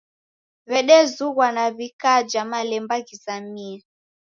W'edezughwa na w'ikaja malemba ghizamie.